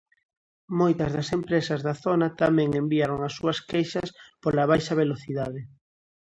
Moitas das empresas da zona tamén enviaron as súas queixas pola baixa velocidade.